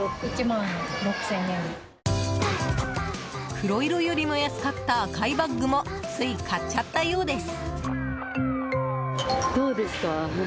黒色よりも安かった赤いバッグもつい買っちゃったようです。